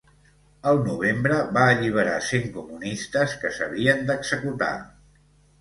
El novembre va alliberar cent comunistes que s'havien d'executar.